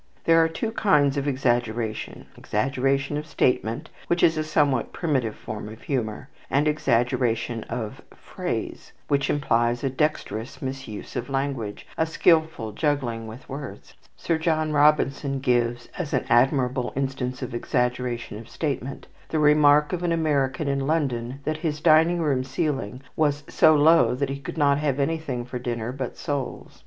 There are two kinds of exaggeration; exaggeration of statement, which is a somewhat primitive form of humour, and exaggeration of phrase, which implies a dexterous misuse of language, a skilful juggling with words. Sir John Robinson gives, as an admirable instance of exaggeration of statement, the remark of an American in London that his dining room ceiling was so low that he could not have anything for dinner but soles.